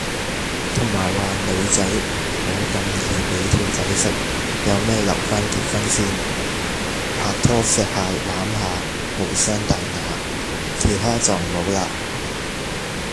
同埋話女仔唔好咁易俾條仔食，有咩留返結婚先，拍拖錫下攬下無傷大雅，其他就唔好嘞